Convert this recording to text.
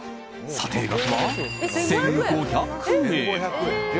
査定額は、１５００円。